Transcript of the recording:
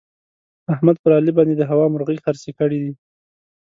احمد پر علي باندې د هوا مرغۍ خرڅې کړې دي.